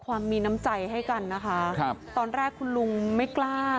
ความมีน้ำใจให้กันนะคะครับตอนแรกคุณลุงไม่กล้า